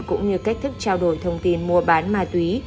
cũng như cách thức trao đổi thông tin mua bán ma túy